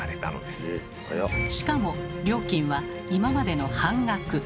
しかも料金は今までの半額。